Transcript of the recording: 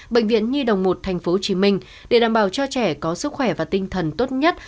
bệnh viện nhi đồng một tp hcm để đảm bảo cho trẻ có sức khỏe và tinh thần tốt nhất